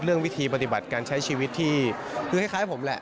เรื่องวิธีปฏิบัติการใช้ชีวิตที่คล้ายผมแหละ